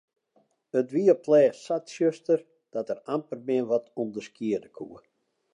It wie op 't lêst sa tsjuster dat er amper mear wat ûnderskiede koe.